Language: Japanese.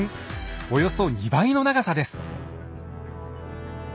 およそ２倍の長さです。